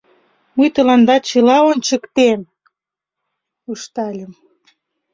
— Мый тыланда чыла ончыктем! — ыштальым.